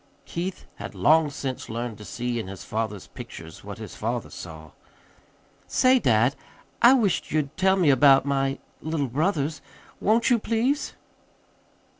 (Keith had long since learned to see in his father's pictures what his father saw.) "Say, dad, I wish't you'd tell me about my little brothers. Won't you, please?"